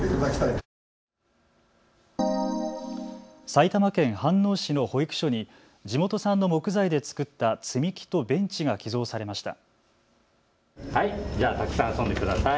埼玉県飯能市の保育所に地元産の木材で作った積み木とベンチが寄贈されました。